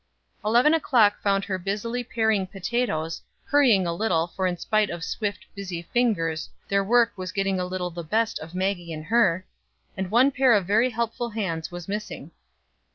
Eleven o'clock found her busily paring potatoes hurrying a little, for in spite of swift, busy fingers their work was getting a little the best of Maggie and her, and one pair of very helpful hands was missing.